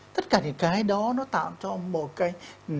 tất cả những cái đó nó tạo cho một cái